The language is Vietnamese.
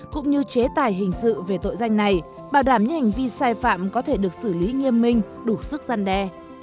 cũng như chế tài hình sự về tội danh này bảo đảm những hành vi sai phạm có thể được xử lý nghiêm minh đủ sức gian đe